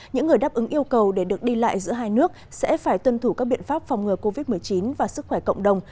những người đáp ứng yêu cầu để được đi lại giữa hai nước sẽ phải tuân thủ các biện pháp phòng ngừa covid một mươi chín và sức khỏe cộng đồng